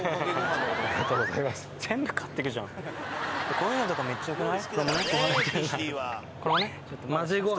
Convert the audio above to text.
こういうのとかめっちゃよくない？